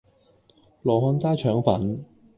羅漢齋腸粉